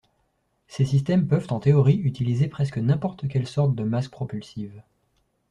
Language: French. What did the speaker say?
Ces systèmes peuvent en théorie utiliser presque n'importe quelle sorte de masse propulsive.